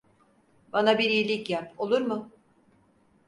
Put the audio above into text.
Bana bir iyilik yap, olur mu?